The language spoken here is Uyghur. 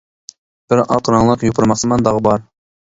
بىر ئاق رەڭلىك يوپۇرماقسىمان داغ بار.